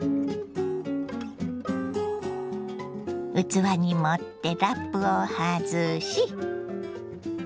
器に盛ってラップを外し。